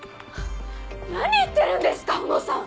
何言ってるんですか小野さん！